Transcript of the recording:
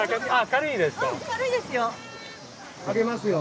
軽いですよ。